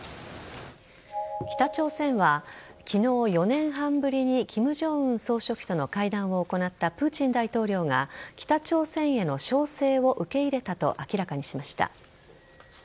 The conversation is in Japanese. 北朝鮮は昨日、４年半ぶりに金正恩総書記との会談を行ったプーチン大統領が北朝鮮への招請を受け入れたと明らかにしました。